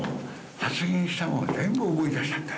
発言したのは全部思い出した。